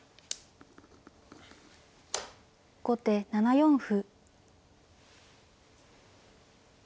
後手７四歩。